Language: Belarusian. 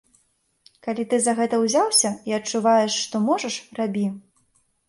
Калі ты за гэта ўзяўся і адчуваеш, што можаш, рабі.